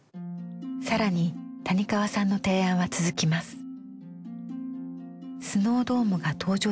更に谷川さんの提案は続きます。